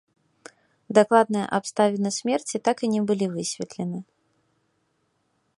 Дакладныя абставіны смерці так і не былі высветлены.